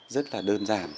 rất là đơn giản